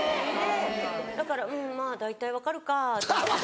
だからうんまぁ大体分かるかと思って。